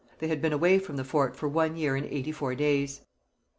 They had been away from the fort for one year and eighty four days.